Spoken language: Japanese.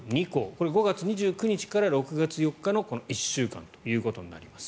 これ５月２９日から６月４日の１週間となります。